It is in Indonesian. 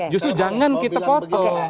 justru jangan kita foto